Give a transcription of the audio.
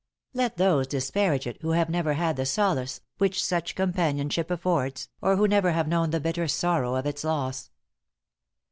Let those disparage it who have never had the solace which such companionship affords, or who never have known the bitter sorrow of its loss.